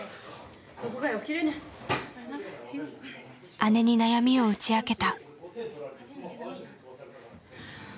姉に悩みを打ち明けた。